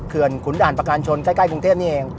ขุนด่านประการชนใกล้กรุงเทพนี่เอง